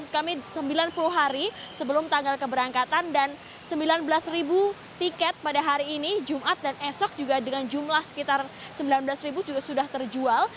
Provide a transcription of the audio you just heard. kami sembilan puluh hari sebelum tanggal keberangkatan dan sembilan belas ribu tiket pada hari ini jumat dan esok juga dengan jumlah sekitar sembilan belas ribu juga sudah terjual